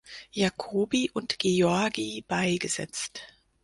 Jacobi und Georgii beigesetzt.